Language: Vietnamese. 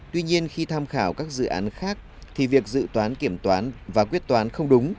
tuy nhiên khi tham khảo các dự án khác thì việc dự toán kiểm toán và quyết toán không đúng